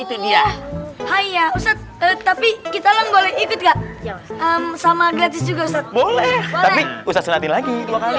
itu dia hai ya tapi kita boleh ikut sama gratis juga boleh boleh lagi